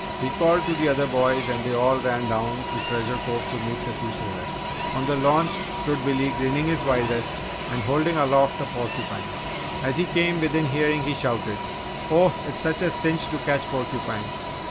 He called to the other boys and they all ran down to Treasure Cove to meet the two sailors. On the launch stood Billy grinning his widest and holding aloft a porcupine. As he came within hearing he shouted: "Oh, it's a cinch to catch porcupines!